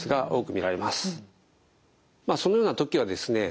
そのような時はですね